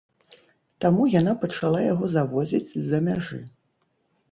Таму яна пачала яго завозіць з-за мяжы.